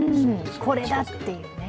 これだ！っていうね。